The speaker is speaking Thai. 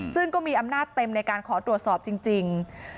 ซึ่งก็มีอำนาจเต็มในการขอตรวจสอบจริง